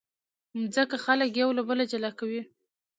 مځکه خلک یو له بله جلا کوي.